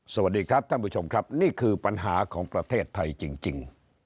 สวัสดีครับท่านผู้ชมครับนี่คือปัญหาของประเทศไทยจริง